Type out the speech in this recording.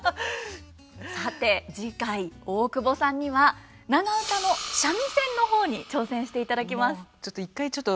さて次回大久保さんには長唄の三味線の方に挑戦していただきます。